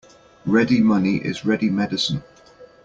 Ready money is ready medicine.